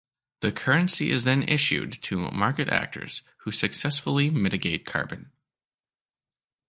The currency is then issued to market actors who successfully mitigate carbon.